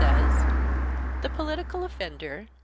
"The political offender